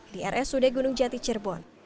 di rsud gunung jati cirebon